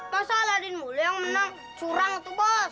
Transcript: masa aladin mulu yang menang curang tuh bos